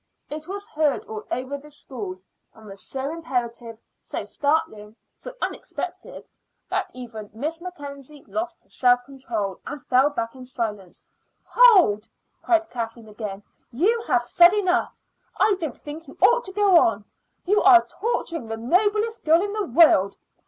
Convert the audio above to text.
It was heard all over the school, and was so imperative, so startling, so unexpected, that even Miss Mackenzie lost her self control and fell back in silence. "Hold!" cried Kathleen again. "You have said enough. I don't think you ought to go on. You are torturing the noblest girl in the world.